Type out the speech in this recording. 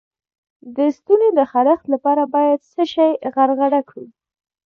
د ستوني د خارش لپاره باید څه شی غرغره کړم؟